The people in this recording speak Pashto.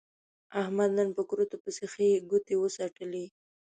احمد نن په کورتو پسې ښې ګوتې و څټلې.